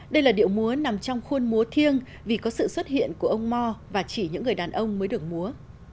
đây là điệu múa nằm trong khuôn múa thiêng vì có sự xuất hiện của ông mò và chỉ những người đàn ông mới được múa